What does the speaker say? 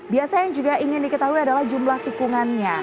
biasanya yang juga ingin diketahui adalah jumlah tikungannya